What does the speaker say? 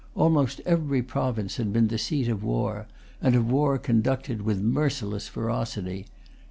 Almost every province had been the seat of war, and of war conducted with merciless ferocity.